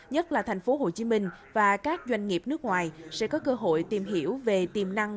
nhất là thành phố hồ chí minh và các doanh nghiệp nước ngoài sẽ có cơ hội tìm hiểu về tiềm năng